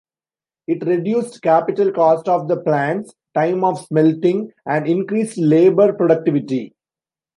It reduced capital cost of the plants, time of smelting, and increased labor productivity.